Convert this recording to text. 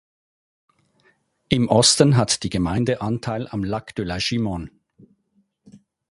Im Osten hat die Gemeinde Anteil am "Lac de la Gimone".